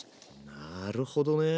なるほどね。